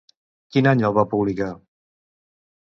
Quin any el va publicar?